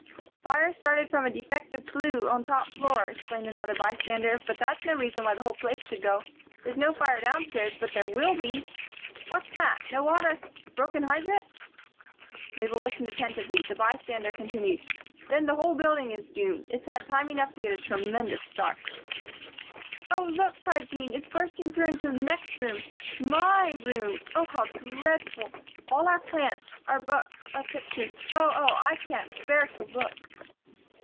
"Fire started from a defective flue on top floor," explained another bystander, "but that's no reason why the whole place should go. There's no fire downstairs, but there will be What's that? No water? Broken hydrant?" Mabel listened attentively. The bystander continued: "Then the whole building is doomed. It's had time enough to get a tremendous start." "Oh, look!" cried Jean. "It's bursting through into the next room my room! Oh, how dreadful! All our plants, our books, our pictures Oh, oh! I can't bear to look."